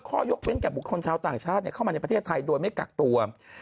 ยกเว้นแก่บุคคลชาวต่างชาติเข้ามาในประเทศไทยโดยไม่กักตัว